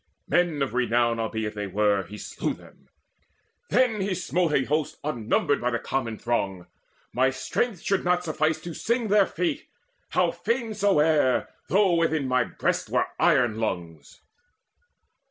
Men of renown Albeit they were, he slew them. Then he smote A host unnumbered of the common throng. My strength should not suffice to sing their fate, How fain soever, though within my breast Were iron lungs.